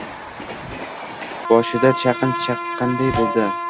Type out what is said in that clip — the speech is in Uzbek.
Boshida chaqin chaqqanday bo‘ldi.